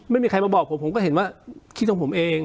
ไม่มีใครมาบอกผมผมก็เห็นว่าคิดของผมเอง